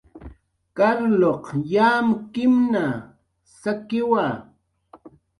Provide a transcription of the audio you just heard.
Carlq yamkimna sakiwa